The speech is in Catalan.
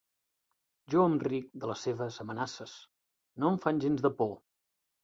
Jo em ric de les seves amenaces: no em fan gens de por.